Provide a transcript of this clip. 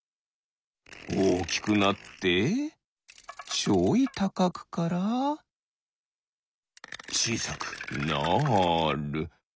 おおきくなってちょいたかくからちいさくなる。